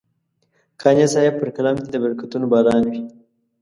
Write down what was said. قانع صاحب پر قلم دې د برکتونو باران وي.